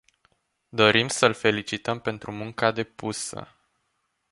Dorim să îl felicităm pentru munca depusă.